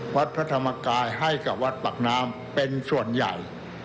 วัดพระธรรมกายให้กับวัดปากน้ำเป็นส่วนใหญ่